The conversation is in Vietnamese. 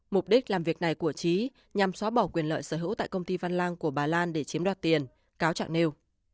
mục đích làm việc này của trí nhằm xóa bỏ quyền lợi sở hữu tại công ty văn lang của bà lan để chiếm đoạt tiền cáo trạng nêu